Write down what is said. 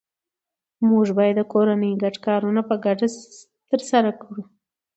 موږ باید د کورنۍ ګډ کارونه په ګډه ترسره کړو